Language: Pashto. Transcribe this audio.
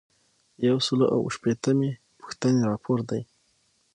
یو سل او اووه شپیتمه پوښتنه راپور دی.